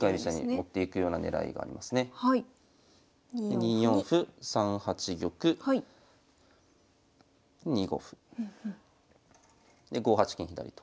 ２四歩３八玉２五歩。で５八金左と。